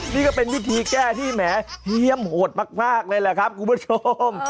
นี่ก็เป็นวิธีแก้ที่แหมเยี่ยมโหดมากเลยแหละครับคุณผู้ชม